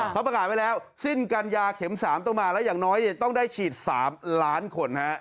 เขาประกาศไว้แล้วสิ้นกันยาเข็ม๓ต้องมาแล้วอย่างน้อยต้องได้ฉีด๓ล้านคน